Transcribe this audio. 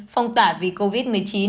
phong tỏa vì covid một mươi chín